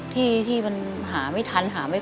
เหง้าคือความเหงาความพัน